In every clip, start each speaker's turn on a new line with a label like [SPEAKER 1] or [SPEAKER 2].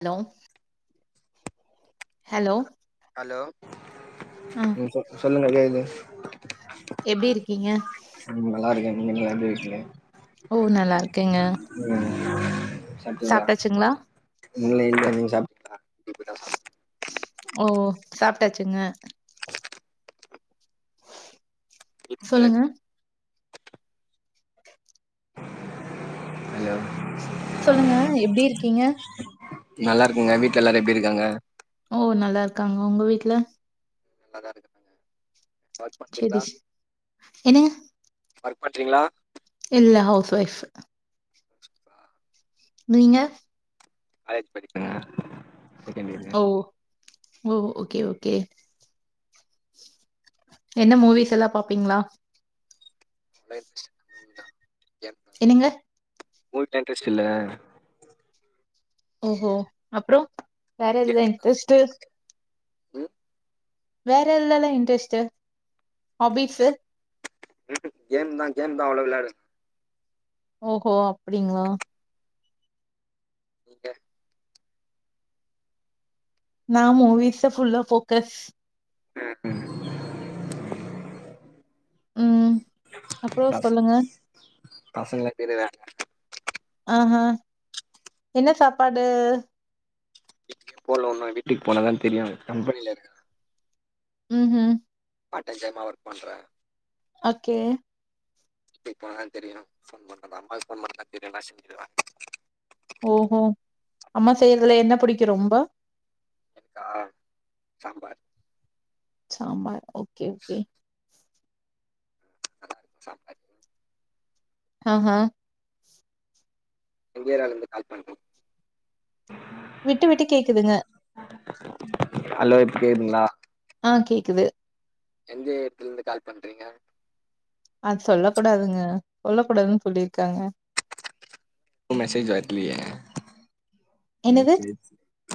[SPEAKER 1] Hello hello
[SPEAKER 2] hello
[SPEAKER 1] அ
[SPEAKER 2] சொ சொல்லுங்க கேக்கு
[SPEAKER 1] எப்டி இருக்கீங்க
[SPEAKER 2] ம் நல்லா இருக்கே நீங்களா எப்டி இருக்கீங்க
[SPEAKER 1] ஓ நல்லா இருக்கேங்க
[SPEAKER 2] ம் சாப்டீங்ளா
[SPEAKER 1] சாப்ட்டாச்சுங்களா
[SPEAKER 2] முல்லையு கவியு சாப்
[SPEAKER 1] ஓ சாப்டாச்சுங்க சொல்லுங்க
[SPEAKER 2] வீட்ல ஹலோ
[SPEAKER 1] சொல்லுங்க எப்டி இருக்கீங்க
[SPEAKER 2] நல்லாருக்கங்க வீட்ல எல்லாரு எப்டி இருக்காங்க
[SPEAKER 1] ஓ நல்லாருக்காங்க ஒங்க வீட்ல
[SPEAKER 2] [unintelligible] ஒர்க் பண்றிங்ளா
[SPEAKER 1] செரி என்னங்க
[SPEAKER 2] ஒர்க் பண்றிங்ளா
[SPEAKER 1] இல்ல ஹவுஸ் வைஃப்
[SPEAKER 2] அ
[SPEAKER 1] நீங்க
[SPEAKER 2] காலேஜ் படிக்கங்க செகண்ட் இயர்
[SPEAKER 1] ஓ ஓ ஓகே ஓகே என்ன மூவிஸ் எல்லா பாப்பீங்ளா
[SPEAKER 2] [unintelligible] என்
[SPEAKER 1] என்னங்க
[SPEAKER 2] மூவிலா இன்ட்ரெஸ்ட் இல்ல
[SPEAKER 1] ஓஹோ அப்றோ வேற
[SPEAKER 2] கேம்
[SPEAKER 1] எதுல இன்ரெஸ்டு
[SPEAKER 2] ம்
[SPEAKER 1] வேற எல்ல இல்லா இன்ட்ரெஸ்ட் ஹாபிஸு
[SPEAKER 2] ம் கேம்தா தா அவ்ளோ விளையாடு
[SPEAKER 1] ஓ ஓஹோ அப்பிடிங்களா
[SPEAKER 2] நீங்க
[SPEAKER 1] நா மூவிஸ் ஃபுல்ல போக்கஸ்
[SPEAKER 2] ம் ம்
[SPEAKER 1] ம் அப்றோ
[SPEAKER 2] பச
[SPEAKER 1] சொல்லுங்க
[SPEAKER 2] பசங்கள தெரியவாங்
[SPEAKER 1] ஆ ஆஹ என்ன சாப்பாடு
[SPEAKER 2] போலோனா வீட்டுக்கு போனதா தெரியு கம்பனியில இருக்க
[SPEAKER 1] ம் ம்
[SPEAKER 2] பாட்டசயமா ஒர்க் பண்றே
[SPEAKER 1] ஓகே
[SPEAKER 2] வீட்டுக்கு போனதா தெரியு ஃபோன் பண்ண அம்மாக்கு ஃபோன் பண்ணா தெரியு நா செஞ்சுடுவே
[SPEAKER 1] ஓ ஓஹோ அம்மா செய்றதுல என்ன பிடிக்கு ரொம்ப
[SPEAKER 2] க்கா சாம்பார்
[SPEAKER 1] சாம்பார் ஓகே ஓகே
[SPEAKER 2] சாம்பார்
[SPEAKER 1] ஆ ஆஹ
[SPEAKER 2] எங்கேறாலந்து கால் பண்றம்
[SPEAKER 1] விட்டு விட்டு கேக்குதுங்க
[SPEAKER 2] ஹலோ இப்ப கேதுங்களா
[SPEAKER 1] ஆ கேக்குது
[SPEAKER 2] எந்த எடத்துல இருந்து கால் பண்றீங்க
[SPEAKER 1] அது சொல்ல கூடாதுங்க சொல்ல கூடாதுன்னு சொல்லியிருக்காங்க
[SPEAKER 2] ப்ப மெசேஜ் வர்லியே ம்
[SPEAKER 1] என்னது?
[SPEAKER 2] சே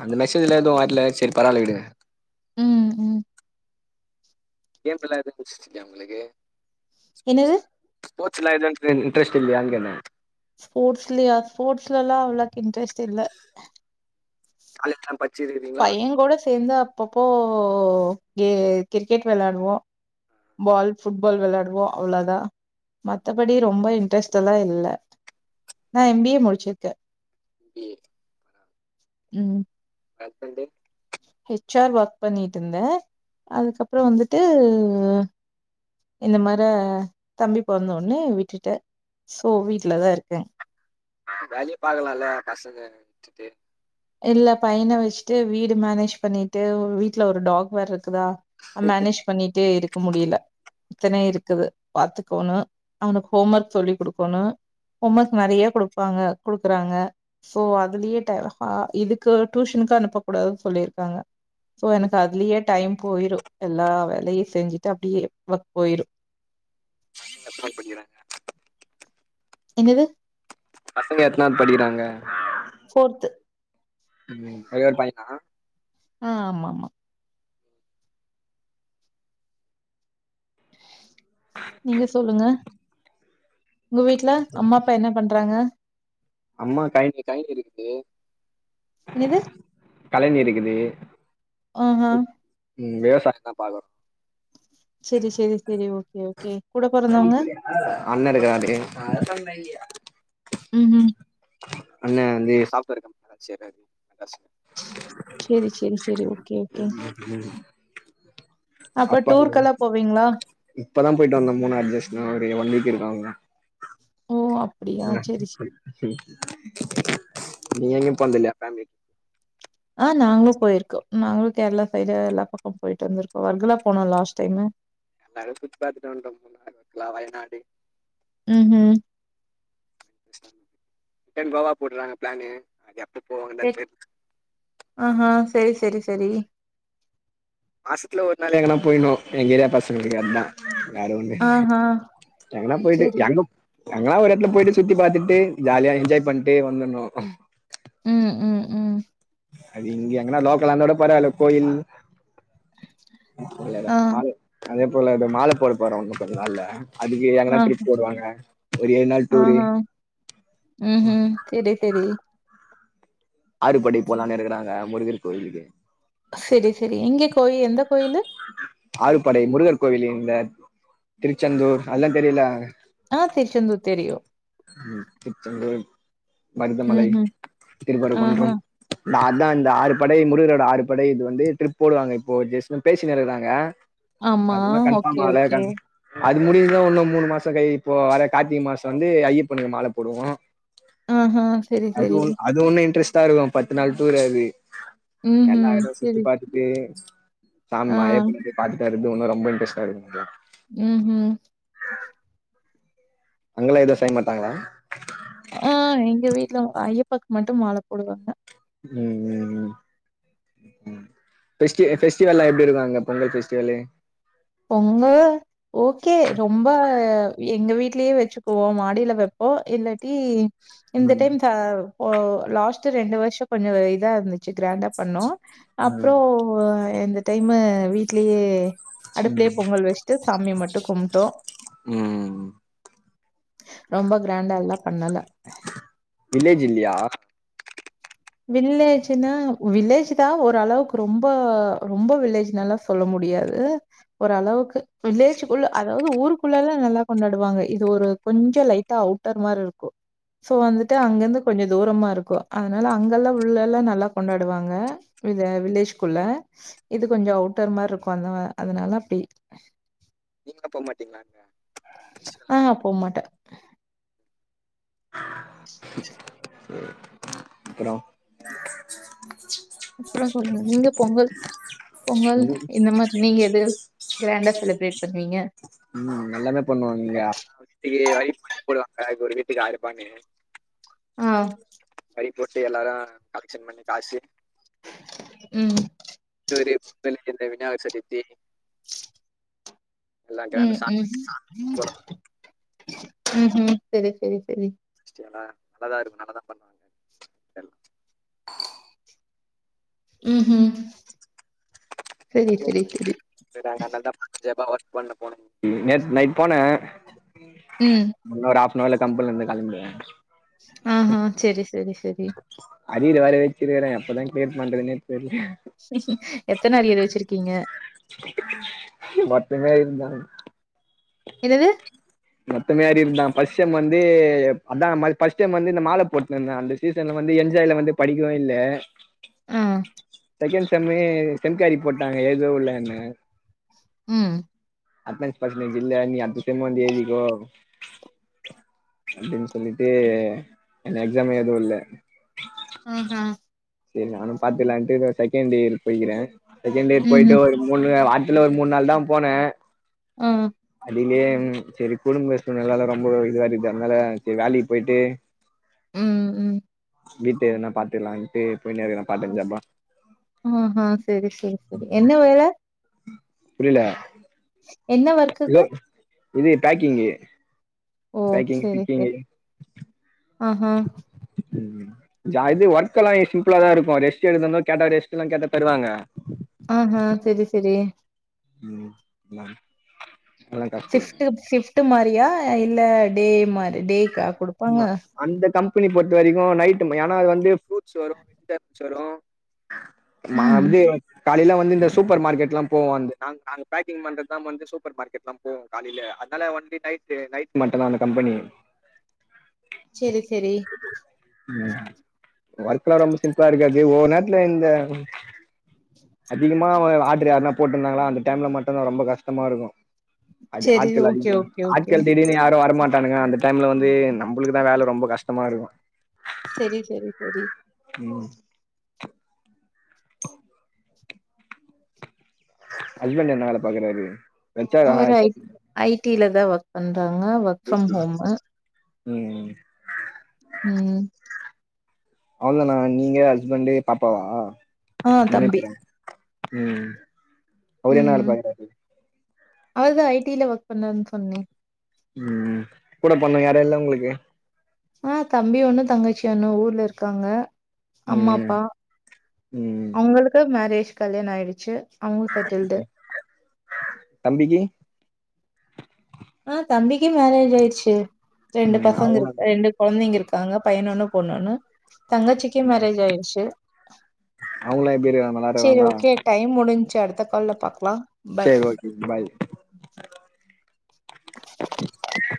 [SPEAKER 2] அந்த மெசேஜ்ல எதுவு வரல சேரி பராவால்லவிடுங்க
[SPEAKER 1] ம் ம்
[SPEAKER 2] கேம்ல்லா எதுவு [unintelligible] உங்களுக்கு
[SPEAKER 1] என்னது?
[SPEAKER 2] போட்ஸ்ல்லா எதுவுடிரன் இன்டரெஸ் இல்லையான் கேட்டே
[SPEAKER 1] ஸ்போட்ஸ்லயா ஸ்போர்ட்ஸ்லல்லா அவ்ளோக் இன்ரெஸ்ட் இல்ல
[SPEAKER 2] [unintelligible]
[SPEAKER 1] பைய கூட சேந்து அப்பப்போ கே கிரிக்கெட் விளையாடுவோ பால் ஃபுட் பால் விளாடுவோ அவ்ளதா மத்தபடி ரொம்ப இன்ட்ரெஸ்ட்லா இல்ல நா எம்பிஏ முடிச்சிருக்கே
[SPEAKER 2] பிஏ
[SPEAKER 1] ம்
[SPEAKER 2] கட்பண்டு
[SPEAKER 1] ஹெச்ஆர் ஒர்க் பண்ணிட்டுந்தே அதுக்கப்புறோ வந்துட்டு இந்த மார தம்பி பொறந்தோன்னே விட்டுட்ட சோ வீட்லதா இருக்கே
[SPEAKER 2] வேலையே பாக்கலால்ல பசங்க விட்டுட்டு
[SPEAKER 1] இல்ல பையன வச்சிட்டு வீடு மேனேஜ் பண்ணிட்டு வீட்ல ஒரு டாக் வேற இருக்குதா மேனேஜ் பண்ணிட்டு இருக்க முடியல இத்தன இருக்குது பாத்துக்கோனு அவனுக்கு ஹோம் ஒர்க் சொல்லி குடுக்கணு ஹோம் ஒர்க் நெறைய குடுப்பாங்க குடுக்குறாங்க சோ அதுலியே டயர்ட் ஆ இதுக்கு டியூஷனுக்கு அனுப்ப கூடாதுன் சொல்லியிருக்காங்க சோ எனக்கு
[SPEAKER 2] வீட்டில்
[SPEAKER 1] அதுலயே டைம் போயிரு எல்லா வேலையு செஞ்சுட்டு அப்டியே ஒர்க் போய்ரு
[SPEAKER 2] எத்னாவ்து படிக்கிறாங்க
[SPEAKER 1] என்னது
[SPEAKER 2] பசங்க எத்தனாவ்து படிக்கிறாங்க
[SPEAKER 1] ஃபோர்த்து
[SPEAKER 2] ம் ஒரே ஒரு பையனா
[SPEAKER 1] ஆ ஆமா ஆமா
[SPEAKER 2] [inaudible]
[SPEAKER 1] நீங்க சொல்லுங்க உங்க வீட்ல அம்மா அப்பா என்ன பண்றாங்க
[SPEAKER 2] அம்மா [unintelligible]
[SPEAKER 1] என்னது
[SPEAKER 2] கலன் எடுக்குது
[SPEAKER 1] அ அ
[SPEAKER 2] ம் விவசாய தா பாக்குறோ
[SPEAKER 1] செரி செரி செரி ஓகே ஓகே கூட பொறந்தவங்க
[SPEAKER 2] அண்ண இருக்காண்டே
[SPEAKER 1] ம்ஹ்ம்.
[SPEAKER 2] அண்ண வந்து சாஃப்ட் வேர் கம்ப்பனி [unintelligible]
[SPEAKER 1] சேரி சேரி சேரி ஓகே ஓகே. அப்ப
[SPEAKER 2] அப்பா
[SPEAKER 1] டூர்க்கெல்லா போவீங்களா?
[SPEAKER 2] [inaudible] இப்பதா போய்ட்டு வந்த மூணு [unintelligible] ஒரு ஒன் வீக் இருக்கு அவ்ள்தா
[SPEAKER 1] ஓ அப்
[SPEAKER 2] [inaudible] நீ எங்கியு போன்தில்லையா ஃபேம்லி
[SPEAKER 1] ஆ நாங்ளு போய்ர்க்கோ நாங்களு கேரளா சைடு எல்லா பக்கொ போய்ட்டு வந்த்ருக்கோ [unintelligible] போனோ லாஸ்ட் டைமு
[SPEAKER 2] எல்லாரு சுத்தி பாத்துட்டு வன்ட்டோ [inaudible] எல்லா வயநாடு
[SPEAKER 1] ம் ஹ்ம்
[SPEAKER 2] டைம் கோவா போட்றாங்க ப்ளானு அது எப்ப போவாங்கன்தா தெர்
[SPEAKER 1] ஆ ஹா சேரி சேரி செரி
[SPEAKER 2] மாசத்துல ஒரு நாள் எங்கனா போய்ணு எங்கேரியா பசங்களுக்கு அத்தா வேற ஒண்ணு இல்ல
[SPEAKER 1] ஆஹா
[SPEAKER 2] எங்கனா போய்ட்டு
[SPEAKER 1] செரி.
[SPEAKER 2] எங்கப் எங்கனா ஒரு எடத்ல போய்ட்டு சுத்தி பாத்துட்டு ஜாலியா என்ஜாய் பண்ட்டு வந்துண்ணு
[SPEAKER 1] ம் ம் ம்
[SPEAKER 2] அது இங்க எங்கனா லோக்கலாந்தாக் கூட பரவால்ல கோயில்
[SPEAKER 1] ஆ
[SPEAKER 2] [inaudible] அதேப் போல இப்ப மால போட போறோ இன்னு கொஞ்ச நாள்ல அதுக்கு எங்கனா
[SPEAKER 1] ஆ
[SPEAKER 2] ட்ரிப் போடுவாங்க ஒரு ஏழ் நாள் டூரு
[SPEAKER 1] சேரி செரி
[SPEAKER 2] ஆறுபடை போலான் இருக்குறாங்க முருகர் கோயிலுக்கு
[SPEAKER 1] செரி செரி எங்கே கோயி எந்த கோயிலு
[SPEAKER 2] ஆறுபடை முருகர் கோவிலு இந்த திருச்செந்தூர் அத்லா தெரியுல்ல
[SPEAKER 1] ஆ திருச்செந்தூர் தெரியு
[SPEAKER 2] ம் திருச்செந்தூர் மருதமலை
[SPEAKER 1] ம்ஹ்ம். ஆஹா.
[SPEAKER 2] திருப்பறகுன்றம் நா அதா இந்த ஆறுபடை முருகரோட ஆறுபடை இது வந்து ட்ரிப் போடுவாங்க இப்போ ஜெஸ் பேசினுருக்குறாங்க
[SPEAKER 1] ஆமா.
[SPEAKER 2] அது இன்னு
[SPEAKER 1] ஓகே,
[SPEAKER 2] கன்ஃபாம் ஆவ்ல
[SPEAKER 1] ஓகே.
[SPEAKER 2] கன் அது முடிஞ்சது உன்னு மூணு மாசொ கை இப்போ வர கார்த்திகை மாசொ வந்து ஐயப்பனுக்கு மால போடுவோ
[SPEAKER 1] ஆஹா. சரி,
[SPEAKER 2] அது
[SPEAKER 1] சரி.
[SPEAKER 2] ஒ அது உண்ணு இன்ட்ரெஸ்ட்டா இருக்கு பத்து நாள் டூரு அது
[SPEAKER 1] ம்ஹ்ம்.
[SPEAKER 2] எல்லா எடமு சுத்தி
[SPEAKER 1] சரி.
[SPEAKER 2] பாத்துட்டு சாம்
[SPEAKER 1] ஆ.
[SPEAKER 2] ஐயப்பன பாத்துட் இது ஒன்ன ரொம்ப இன்ட்ரெஸ்டா இருக்
[SPEAKER 1] உ ஹு
[SPEAKER 2] அங்கலா எது செய்ய மாட்டாங்களா
[SPEAKER 1] ஆ எங்க வீட்ல ஐயப்பாக்கு மட்டு மால போடுவாங்க
[SPEAKER 2] உ உ உ ஃபெஸ்டி அ ஃபெஸ்டிவெல்லா எப்டிருக்கு அங்க பொங்கல் ஃபெஸ்டிவலு
[SPEAKER 1] பொங்க ஓகே ரொம்ப எங்க வீட்லயே வச்சுக்குவோ மாடியில வப்போ இல்லாட்டி இந்த
[SPEAKER 2] ம்
[SPEAKER 1] டைம் த ஓ லாஸ்ட் ரெண்டு வருஷ கொஞ்சோ இதா இருந்துச்சு கிராண்டா பண்ணோ
[SPEAKER 2] ம்
[SPEAKER 1] அப்றோ ப்போ இந்த டைமு வீட்லயே அடுப்லயே
[SPEAKER 2] ம்
[SPEAKER 1] பொங்கல் வஸ்ட்டு சாமிய மட்டு கும்ட்டோ
[SPEAKER 2] ம்
[SPEAKER 1] ரொம்ப கிராண்டால்லா பண்ணல
[SPEAKER 2] வில்லேஜ் இல்லயா
[SPEAKER 1] வில்லேஜ்ன்னா வில்லேஜ்தா ஓரளவுக்கு ரொம்ப ரொம்ப வில்லேஜ்னல்லா சொ சொல்ல முடியாது ஓரளவுக்கு வில்லேஜ்க்குள்ள அதாவது ஊருக்குள்ளல்ல நல்லா கொண்டாடுவாங்க இது ஒரு கொஞ்ச லைட்டா அவுட் டர் மாருக்கு சோ வந்துட்டு அங்கிருந்து கொஞ்சோ தூரமா இருக்கு அதனா அதனால அங்கெல்லா உள்ள எல்லா நல்லா கொண்டாடுவாங்க வில்லேஜ்க்குள்ள இது கொஞ்ச அவுட்டர் மாருக்கு அந்த அதனால அப்டி
[SPEAKER 2] நீங்களா போ மாட்டீங்களா அங்க
[SPEAKER 1] ஆ போ மாட்டே
[SPEAKER 2] அப்பறோ
[SPEAKER 1] அப்றோ சொல்லுங்க நீங்க பொங்கல் பொங்கல்
[SPEAKER 2] ம்
[SPEAKER 1] இந்த மரி நீங்க எது கிராண்டா செலிப்ரேட் பண்ணுவீங்க
[SPEAKER 2] உ எல்லாமே பண்ணுவாங்க இங்க வீட்டுக்கு வரி போடுவாங்க ஒரு வீட்டுக்கு ஆறுப்பானு
[SPEAKER 1] ஆ
[SPEAKER 2] வரி போட்டு எல்லாரு கலெக்ஷன் பண்ணி காஸு
[SPEAKER 1] உ
[SPEAKER 2] [inaudible] இந்த விநாயாகசதுத்தி
[SPEAKER 1] உ
[SPEAKER 2] கிராண்டா
[SPEAKER 1] உ
[SPEAKER 2] சாமி
[SPEAKER 1] உ
[SPEAKER 2] ஊர்வலம்
[SPEAKER 1] உ சரி சரி சரி
[SPEAKER 2] ஃபெஸ்டிவல்லா நல்லாதா இருக்கு நல்லாதா பண்ணுவாங்க [unintelligible]
[SPEAKER 1] உ உ செரி செரி செரி
[SPEAKER 2] நேத் நைட் போனே
[SPEAKER 1] உ
[SPEAKER 2] இன்னொரு ஹாஃப்னவர்ல கம்பென்ல்லந்து கெளம்பிடுவே
[SPEAKER 1] ஆஹா செரி செரி செரி
[SPEAKER 2] அரியர் வேற வச்ருக்கறே எப்பதா கிளியர் பண்றதுன்னே தெர்ல
[SPEAKER 1] எத்தன அரியர் வெச்சிருக்கீங்க
[SPEAKER 2] மொத்தமே இருந்தா
[SPEAKER 1] என்னது
[SPEAKER 2] மொத்தமே அரியர்ந்தா ஃபஸ்ட் செம் வந்து அதா பஸ்ட் சம் வந்து இந்த மால போட்னுந்தே அந்த சீசன்ல வந்து என்ஜாய்ல வந்து படிக்கவு இல்ல
[SPEAKER 1] ஆ
[SPEAKER 2] செகன்ட் செம்லே [unintelligible] போட்டாங்க ஏதோ இல்லனு
[SPEAKER 1] ம்
[SPEAKER 2] அட்னஸ் பஸ்ன்டேஜ் இல்ல நீ அட்த்த செம் வந்து எழ்திக்கோ அப்டின் சொல்லிட்டு என்ன எக்ஸாம் எழுதவுல்ல
[SPEAKER 1] அ ஹ
[SPEAKER 2] செரி நானு பாத்துக்லான்ட்டு செகண்ட் இயர் போய்கிறே செகண்ட் இயர் போயிட்டு
[SPEAKER 1] ம்ஹும்
[SPEAKER 2] ஒரு மூனு வார்த்ல ஒரு மூன்நாள்தா போனே
[SPEAKER 1] ஆ
[SPEAKER 2] [inaudible] செரி குடும்பஷ்டோ நல்லால்ல ரொம்ப இதுவா இருக்கு அதனால செரி வேலைக்கு போயிட்டு
[SPEAKER 1] ம் ம்
[SPEAKER 2] வீட்டு எதுனா பாத்துக்கலான்ட்டு போய்னு இருக்கே பார்ட் டைம் ஜாப்பா
[SPEAKER 1] அ ஹா செரி செரி செரி என்ன வேல
[SPEAKER 2] புரில
[SPEAKER 1] என்ன ஒர்க்
[SPEAKER 2] லோ இது பேக்கிங்கு
[SPEAKER 1] ஓ
[SPEAKER 2] பேக்கிங்
[SPEAKER 1] செரி செரி
[SPEAKER 2] ஸ்டிச்சிங்கு
[SPEAKER 1] ஆஹா
[SPEAKER 2] ம் ம் இது ஒர்க் எல்லா சிம்பிளா தா இருக்கு ரெஸ்ட் எடுத்துந்தா கேட்டா ரெஸ்ட்டலா கேட்டா தருவாங்க
[SPEAKER 1] ஆ ஹா செரி செரி
[SPEAKER 2] ம் மேம்
[SPEAKER 1] சிஃப்ட்டு சிஃப்ட்டு மாரியா இல்ல டே மாரி டேக்கா குடு
[SPEAKER 2] ஆமா அந்த கம்பெனி பொறுத்த வரைக்கு நைட்டு ம ஏனா அது வந்து ஃப்ரூட்ஸ் வரு வெஜிடேபிள்ஸ் வரு மா
[SPEAKER 1] ம்
[SPEAKER 2] அப்டியே காலைல வந்து இந்த சூப்பர் மார்க்கெட்லா போவோ வந்து நாங் நாங்க பேக்கிங் பண்றதா வந்து சூப்பர் மார்க்கெட் நாங் போவோ காலைல அதனால ஒன்லி நைட்டு நைட் மட்டுந்தா அந்த கம்பெனி
[SPEAKER 1] செரி செரி
[SPEAKER 2] ம் ஒர்க்கலா ரொம்ப சிம்பிளா இருக்காது ஒவ்வொரு நேரத்துல இந்த அதிகமா வ ஆட்ரு யார்னா போட்ருந்தாங்ளா அந்த டைம்ல மட்டுதா ரொம்ப கஷ்டமாருக்கு அது
[SPEAKER 1] செரி
[SPEAKER 2] ஆட்கள்
[SPEAKER 1] ஓகே
[SPEAKER 2] அதிகமா
[SPEAKER 1] ஓகே ஓகே
[SPEAKER 2] ஆட்கள் திடீர்னு யாரு வரமாட்டானுக அந்த டைம்ல வந்து நம்ளுக்குதா வேல ரொம்ப கஷ்டமா இருக்கு
[SPEAKER 1] செரி செரி செரி
[SPEAKER 2] ம் ஹஸ்பண்ட் என்ன வேல பாக்குறாரு ஹெச் ஆர் ஆ
[SPEAKER 1] அவரா ஐ ஐ டி ல தா ஒர்க் பண்றாங்க ஒர்
[SPEAKER 2] ஐ டி ம்
[SPEAKER 1] ம் ம்
[SPEAKER 2] அவ்ளதானா நீங்க ஹஸ்பண்ட்டு பாப்பாவா
[SPEAKER 1] ஆ
[SPEAKER 2] மூனே
[SPEAKER 1] தம்பி
[SPEAKER 2] பேரா ம் அவரு என்ன வேல பாக்றாரு
[SPEAKER 1] அவர் தா ஐ டி ல ஒர்க் பண்ணறாருன் சொன்னே
[SPEAKER 2] ம் கூட பொறந்தவுங்க யாரு இல்ல உங்களுக்கு
[SPEAKER 1] ஆ தம்பி ஒன்னு தங்கச்சி ஒன்னு ஊர்ல இருக்காங்க அம்மா
[SPEAKER 2] ம்
[SPEAKER 1] அப்பா
[SPEAKER 2] ம்
[SPEAKER 1] அவுங்களுக்கு மேரேஜ் கல்யாணோ ஆயிடுச்சு அவங்க செட்டில்டு
[SPEAKER 2] தம்பிக்கு
[SPEAKER 1] ஆ தம்பிக்கு மேரேஜ் ஆய்ருச்சு ரெண்டு
[SPEAKER 2] ம்
[SPEAKER 1] பசங்க
[SPEAKER 2] அவங்களா
[SPEAKER 1] இருக் ரெண்டு கொழந்தைங்க இருக்காங்க பையனு ஒன்னு பொண்ணு ஒன்னு தங்கச்சிசக்கு மேரேஜ் ஆயிர்ச்சு
[SPEAKER 2] அவுங்களா எப்டி இருக்காங்க நல்லாருக்காங்ளா
[SPEAKER 1] டைம் முடிஞ்சு அடுத்த கால்ல பாக்கலா
[SPEAKER 2] செரி ஓகே பாய்